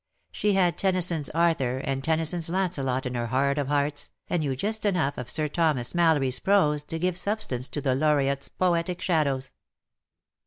She had Tennyson^s Arthur and Tennyson^s Lancelot in her heart of hearts, and knew just enough of Sir Thomas Mallory's prose to give substance to the Laureate's poetic shadows.